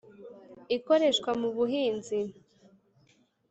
ikoreshwa mu buhinzi